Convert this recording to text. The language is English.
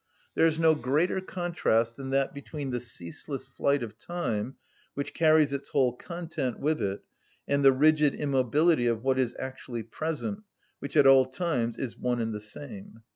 There is no greater contrast than that between the ceaseless flight of time, which carries its whole content with it, and the rigid immobility of what is actually present, which at all times is one and the same.